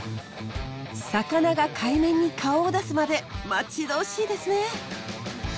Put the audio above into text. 魚が海面に顔を出すまで待ち遠しいですね。